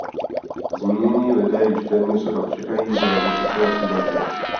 Zmínění lidé již téměř rok čekají ve vyšetřovací vazbě.